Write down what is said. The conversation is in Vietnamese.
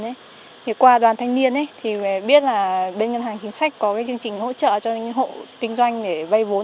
thì qua đoàn thanh niên thì biết là bên ngân hàng chính sách có chương trình hỗ trợ cho hộ kinh doanh để vay vốn